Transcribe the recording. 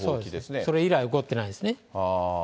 それ以来起こってないですね。